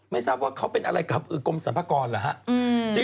ไม่ทราบว่าเขาเป็นอะไรกับกรมสรรพากรเหรอฮะ